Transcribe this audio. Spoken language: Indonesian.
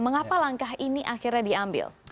mengapa langkah ini akhirnya diambil